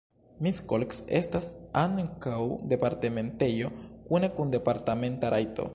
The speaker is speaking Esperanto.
Miskolc estas ankaŭ departementejo kune kun departementa rajto.